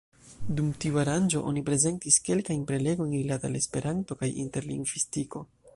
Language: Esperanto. Dum tiu aranĝo oni prezentis kelkajn prelegojn rilate al Esperanto kaj interlingvistiko.